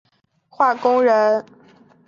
福建省泉州市德化县工人。